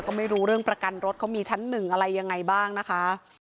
ก็ไม่รู้เรื่องประกันรถเขามีชั้นหนึ่งอะไรยังไงบ้างนะคะ